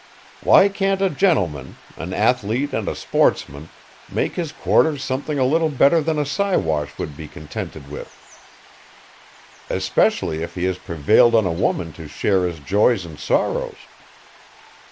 Why can't a gentleman, an athlete and a sportsman make his quarters something a little better than a Siwash would be contented with? Especially if he has prevailed on a woman to share his joys and sorrows.